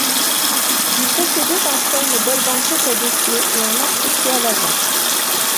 Il possédait parfois une belle banquette à dossier et un marchepied à l’avant.